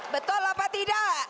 betul apa tidak